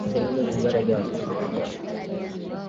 Argentina ilijivunia kipaji cha kipekee na mbwembwe za